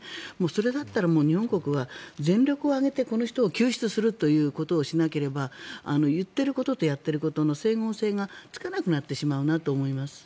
それだったらもう日本国は全力を挙げてこの人を救出するということをしなければ言っていることとやっていることとの整合性がつかなくなってしまうなと思います。